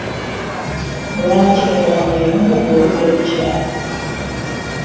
Lwaki tokola mirimu gyo nga obudde bukyali?